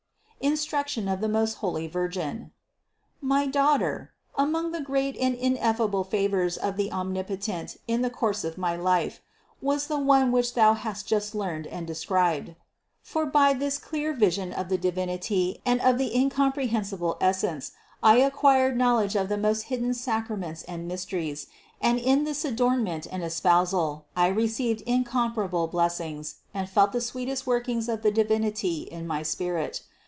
INSTRUCTION OF TH£ MOST HOLY VIRGIN MARY. 440. My daughter, among the great and ineffable favors of the Omnipotent in the course of my life, was the one which thou has just learned and described; for by this clear vision of the Divinity and of the incompre hensible essence I acquired knowledge of the most hidden sacraments and mysteries, and in this adornment and es pousal I received incomparable blessings and felt the sweetest workings of the Divinity in my spirit.